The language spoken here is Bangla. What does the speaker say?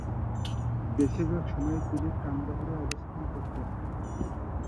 বেশিরভাগ সময়ই তিনি কান্দাহারে অবস্থান করতেন।